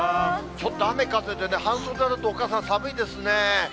ちょっと雨風でね、半袖だと、お母さん、寒いですね。